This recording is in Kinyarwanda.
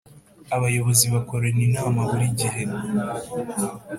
abayobozi bakorana inama burigihe.